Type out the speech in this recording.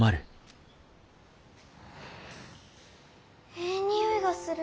えい匂いがする。